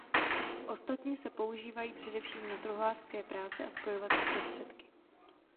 Ostatní se používají především na truhlářské práce a spojovací prostředky.